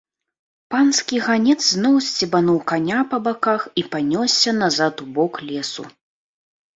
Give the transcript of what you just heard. Панскі ганец зноў сцебануў каня па баках і панёсся назад у бок лесу.